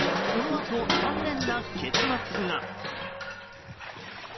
このあと、残念な結末が。